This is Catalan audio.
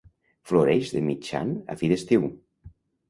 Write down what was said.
Floreix de mitjan a fi d'estiu.